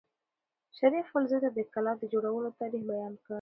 شریف خپل زوی ته د کلا د جوړولو تاریخ بیان کړ.